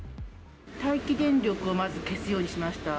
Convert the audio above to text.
待機電力をまず、消すようにしました。